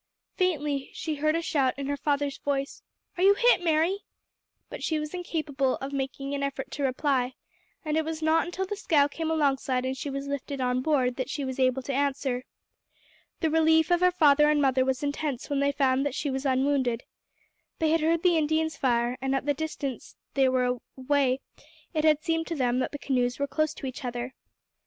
Faintly she heard a shout in her father's voice: "Are you hit, Mary?" But she was incapable of making an effort to reply, and it was not until the scow came alongside and she was lifted on board that she was able to answer. The relief of her father and mother was intense when they found that she was unwounded. They had heard the Indians fire, and at the distance they were away it had seemed to them that the canoes were close to each other.